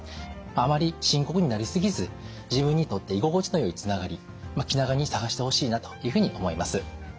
あまり深刻になり過ぎず自分にとって居心地のよいつながり気長に探してほしいなというふうに思います。